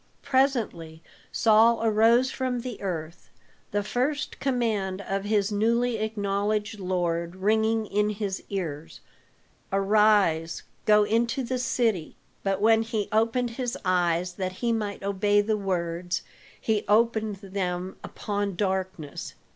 Presently Saul arose from the earth, the first command of his newly acknowledged Lord ringing in his ears, "Arise, go into the city." But when he opened his eyes that he might obey the words, he opened them upon darkness.